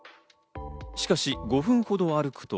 しかし、５分ほど歩くと。